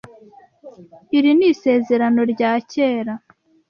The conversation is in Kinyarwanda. Iri ni isezerano ryakera.